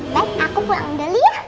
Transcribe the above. baik aku pulang dulu ya